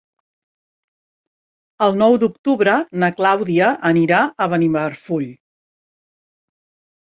El nou d'octubre na Clàudia anirà a Benimarfull.